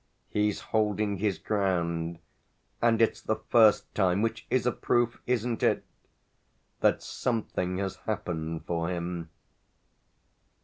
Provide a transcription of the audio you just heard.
He's holding his ground, and it's the first time which is a proof, isn't it? that something has happened for him."